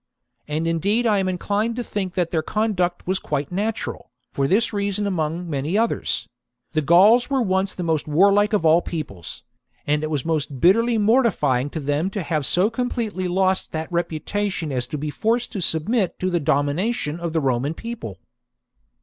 And indeed I am inclined to think that their conduct was quite natural, for this reason among many others :— the Gauls were .once the most warlike of all peoples ; anc^it was most bitterly mortifying to them to have so completely lost that reputation as to be forced to submit to the domination of the Roman People.